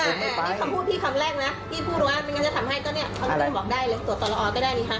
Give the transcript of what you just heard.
พี่พูดว่ามันก็จะทำให้ก็เนี่ยเค้าก็บอกได้เลยตรวจต่อละออก็ได้เนี่ยครับ